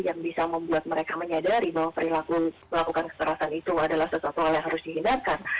yang bisa membuat mereka menyadari bahwa perilaku melakukan kekerasan itu adalah sesuatu hal yang harus dihindarkan